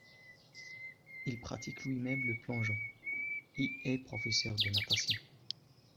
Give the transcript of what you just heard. Il pratique lui-même le plongeon et est professeur de natation.